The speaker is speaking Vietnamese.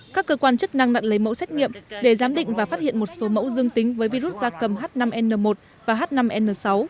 các cơ quan chức năng đã lấy mẫu xét nghiệm để giám định và phát hiện một số mẫu dương tính với virus gia cầm h năm n một và h năm n sáu